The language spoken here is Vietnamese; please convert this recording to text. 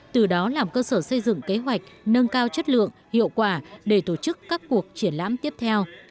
từ đó làm cơ sở xây dựng kế hoạch nâng cao chất lượng hiệu quả để tổ chức các cuộc triển lãm tiếp theo